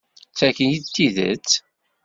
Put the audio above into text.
D tagi i d tidett?